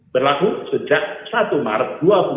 berlaku sejak satu maret dua ribu dua puluh